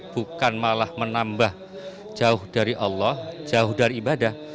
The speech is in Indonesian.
bukan malah menambah jauh dari allah jauh dari ibadah